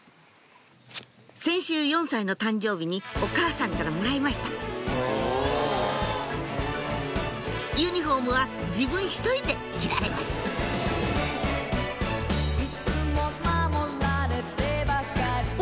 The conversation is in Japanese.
先週４歳の誕生日にお母さんからもらいましたユニホームは自分ひとりで着られますお！